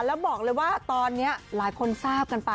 แล้วบอกเลยว่าตอนนี้หลายคนทราบกันไป